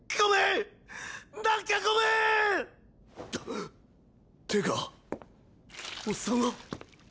ってかおっさんは？